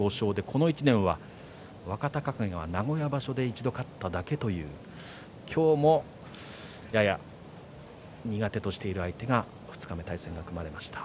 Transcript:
この１年は若隆景は名古屋場所で一度勝っただけという今日もやや苦手としている相手が二日目、対戦組まれました。